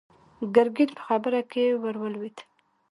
ګرګين په خبره کې ور ولوېد.